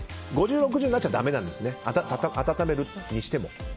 ５０度６０度になっちゃうとだめなんです、温めるにしても。